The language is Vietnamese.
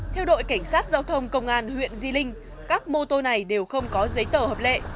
theo đội cảnh sát giao thông công an huyện di linh các mô tô này đều không có giấy tờ hợp lệ